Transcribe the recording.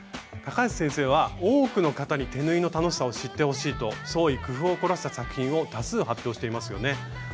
高橋先生は多くの方に手縫いの楽しさを知ってほしいと創意工夫を凝らした作品を多数発表していますよね。